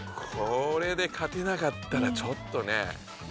これで勝てなかったらちょっとね。